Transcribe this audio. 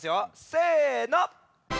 せの！